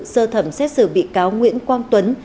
sơ thẩm xét xử bị cáo nguyễn quang tuấn